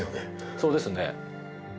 そうですね。